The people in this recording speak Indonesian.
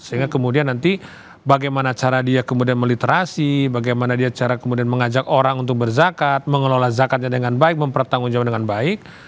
sehingga kemudian nanti bagaimana cara dia kemudian meliterasi bagaimana dia cara kemudian mengajak orang untuk berzakat mengelola zakatnya dengan baik mempertanggungjawab dengan baik